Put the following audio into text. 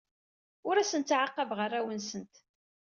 Ur asent-ttɛaqabeɣ arraw-nsent.